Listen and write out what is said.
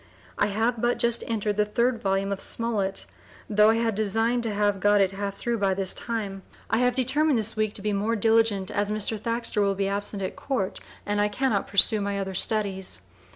I have but just entered the 3d volume of Smollett, tho' I had designed to have got it half through by this time. I have determined this week to be more diligent, as Mr. Thaxter will be absent at Court and I Cannot pursue my other Studies.